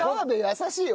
優しい。